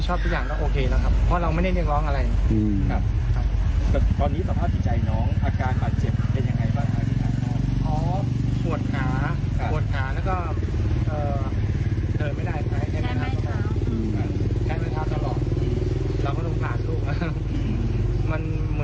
ของเขาก็ไม่ค่อยพูดไม่ค่อยกล้า